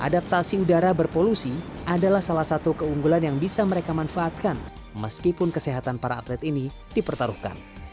dan udara berpolusi adalah salah satu keunggulan yang bisa mereka manfaatkan meskipun kesehatan para atlet ini dipertaruhkan